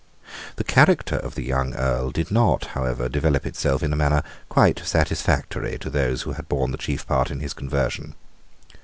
The character of the young Earl did not however develop itself in a manner quite satisfactory to those who had borne the chief part in his conversion.